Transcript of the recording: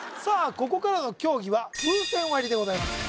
ここからの競技は風船割りでございます